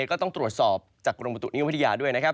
ก็ต้องตรวจสอบจากกรมประตุนิยมวิทยาด้วยนะครับ